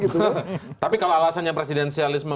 tapi kalau alasannya presidensialisme